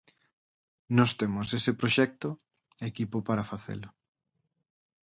Nós temos ese proxecto e equipo para facelo.